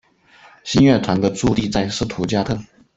新乐团的驻地在斯图加特。